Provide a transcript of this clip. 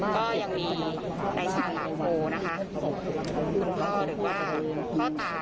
ก็ยังมีในชาหลักโฟนะคะคุณพ่อเรียกว่าพ่อตา